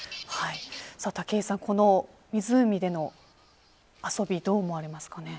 武井さん、この湖での遊び、どう思われますか。